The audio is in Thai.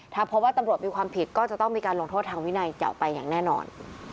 ถ้าพบว่าตำรวจมีความผิดก็จะต้องมีการลงโทษทางวินัยต่อไปอย่างแน่นอน